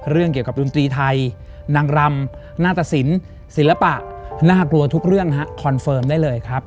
เรื่องเกี่ยวกับดนตรีไทยนางรำหน้าตสินศิลปะน่ากลัวทุกเรื่องฮะคอนเฟิร์มได้เลยครับ